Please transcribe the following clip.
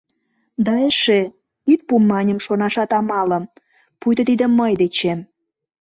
Да эше: ит пу, маньым, шонашат амалым, пуйто тиде мый дечем!